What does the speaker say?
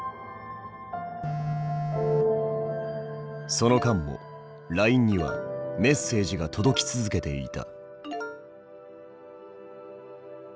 その間もＬＩＮＥには携帯画面メッセージが届き続けていた。